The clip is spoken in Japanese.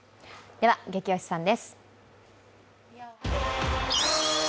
では「ゲキ推しさん」です。